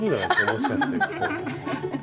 もしかして。